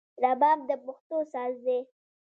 رباب د پښتو ساز دی